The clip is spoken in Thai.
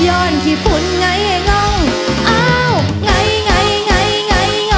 ย้อนขี้ฝุ่นไง่งองอ้าวไง่งอง